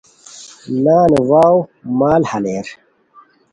نان واؤ مال ہالئیر